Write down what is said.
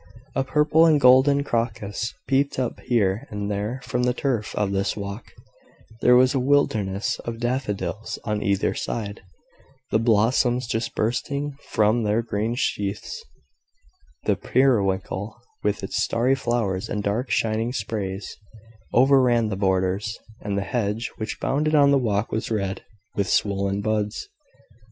A purple and golden crocus peeped up here and there from the turf of this walk; there was a wilderness of daffodils on either side, the blossoms just bursting from their green sheaths; the periwinkle, with its starry flowers and dark shining sprays, overran the borders; and the hedge which bounded the walk was red with swollen buds.